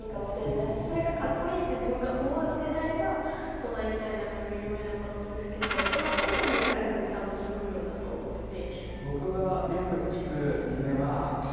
そうなりたいなっていうのが夢だと思うんですけどその奥にあるのが多分職業だと思ってて。